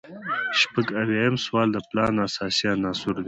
شپږ اویایم سوال د پلان اساسي عناصر دي.